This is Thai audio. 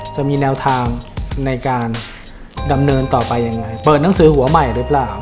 จะมีแนวทางในการดำเนินต่อไปยังไงเปิดหนังสือหัวใหม่หรือเปล่า